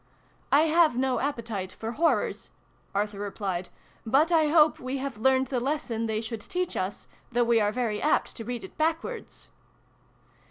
" I have no appetite for horrors," Arthur replied. " But I hope we have learned the lesson they should teach us though we are very apt to read it backwards